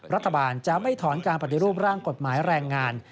รัฐบาลจะไม่ถอนการปฏิรูปร่างกฎหมายแรงงาน